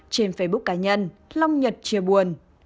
trên facebook cá nhân lâm nhật chia buồn